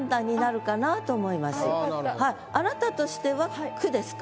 あなたとしては「く」ですか？